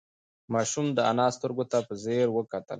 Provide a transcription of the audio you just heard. ماشوم د انا سترگو ته په ځير وکتل.